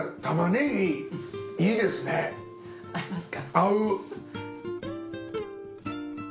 合う！